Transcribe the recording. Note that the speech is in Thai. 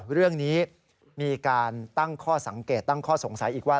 เรื่องนี้มีการตั้งข้อสังเกตตั้งข้อสงสัยอีกว่า